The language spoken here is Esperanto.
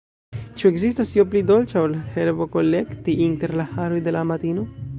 Ĉu ekzistas io pli dolĉa, ol herbokolekti inter la haroj de la amatino?